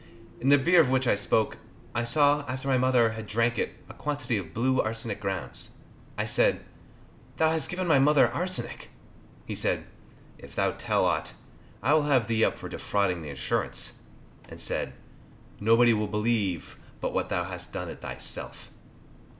In the beer of which I spoke, I saw, after my mother had drank it, a quantity of blue arsenic grounds. I said, "Thou hast given my mother arsenic." He said, "If thou tell aught, I will have thee up for defrauding the insurance," and said, "Nobody will believe but what thou hast done it thyself."